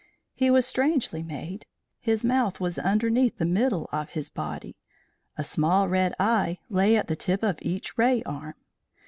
He was strangely made. His mouth was underneath the middle of his body, a small red eye lay at the tip of each ray arm.